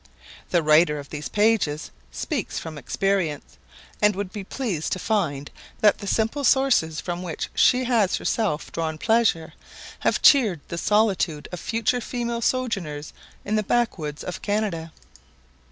The writer of these pages speaks from experience, and would be pleased to find that the simple sources from which she has herself drawn pleasure, have cheered the solitude of future female sojourners in the backwoods of Canada.